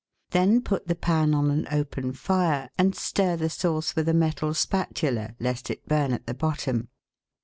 Then put the pan on an open fire, and stir the sauce with a metal spatula, lest it burn at the bottom.